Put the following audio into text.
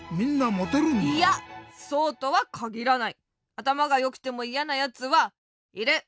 あたまがよくてもいやなやつはいる。